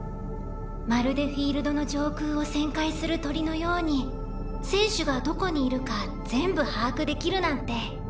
まるでフィールドの上空を旋回する鳥のように選手がどこにいるか全部把握できるなんて。